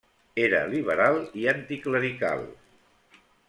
Era liberal i anticlerical.